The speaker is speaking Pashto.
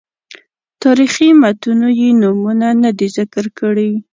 تاریخي متونو یې نومونه نه دي ذکر کړي.